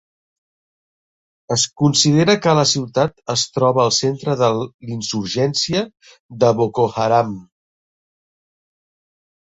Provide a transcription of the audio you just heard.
Es considera que la ciutat es troba al centre de l"insurgència de Boko Haram.